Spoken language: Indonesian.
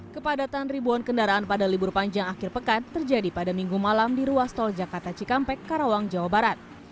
kepadatan ribuan kendaraan pada libur panjang akhir pekan terjadi pada minggu malam di ruas tol jakarta cikampek karawang jawa barat